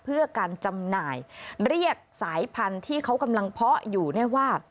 เพื่อการจำหน่ายเรียกสายพันธุ์ที่เขากำลังเพาะอยู่เนี่ยว่า